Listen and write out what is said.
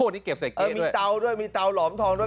นี่เก็บใส่เกี้ยมีเตาด้วยมีเตาหลอมทองด้วย